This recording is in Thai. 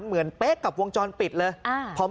เหมือนเป๊ะกับวงจรปิดเลย